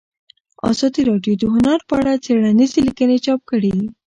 ازادي راډیو د هنر په اړه څېړنیزې لیکنې چاپ کړي.